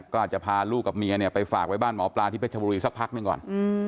ก็อาจจะพาลูกกับเมียเนี่ยไปฝากไว้บ้านหมอปลาที่เพชรบุรีสักพักหนึ่งก่อน